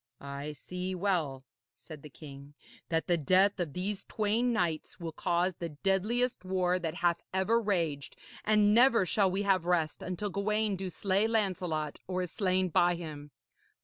'I see well,' said the king, 'that the death of these twain knights will cause the deadliest war that hath ever raged, and never shall we have rest until Gawaine do slay Lancelot or is slain by him.